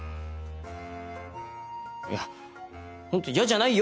いやホント嫌じゃないよ